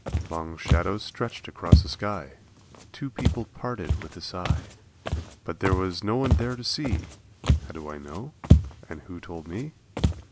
Long shadows stretched across the sky, Two people parted with a sigh, But there was no one there to see! How do I know? and who told me?